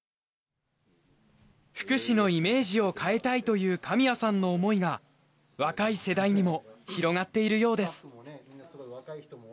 福祉のイメージを変えたいという神谷さんの思いが若い世代にも広がっているようです。